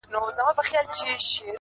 پاڅېدلی خروښېدلی په زمان کي-